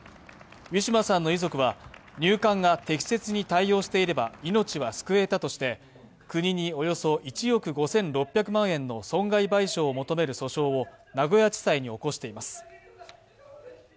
ウィシュマさんの遺族は入管が適切に対応していれば命は救えたとして、国におよそ１億５６００万円の損害賠償を求める訴訟を名古屋地裁に起こしています。